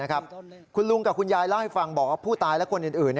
คุณลุงกับคุณยายเล่าให้ฟังบอกว่าผู้ตายและคนอื่น